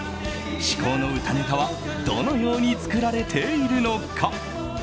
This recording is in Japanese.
至高の歌ネタはどのように作られているのか。